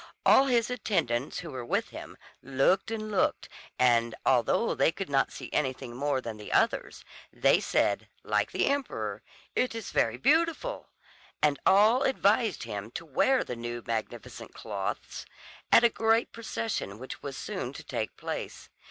All his attendants, who were with him, looked and looked, and although they could not see anything more than the others, they said, like the emperor, "It is very beautiful." And all advised him to wear the new magnificent clothes at a great procession which was soon to take place.